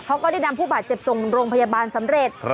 ก็ได้นำผู้บาดเจ็บส่งโรงพยาบาลสำเร็จ